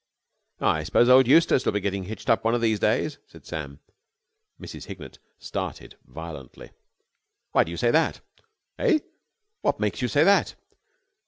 "I suppose old Eustace will be getting hitched up one of these days?" said Sam. Mrs. Hignett started violently. "Why do you say that?" "Eh?" "What makes you say that?"